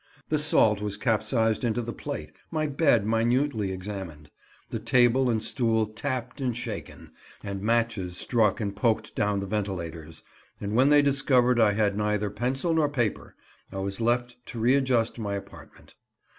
The salt was capsized into the plate; my bed minutely examined; the table and stool tapped and shaken; and matches struck and poked down the ventilators; and when they discovered I had neither pencil nor paper, I was left to readjust my apartment.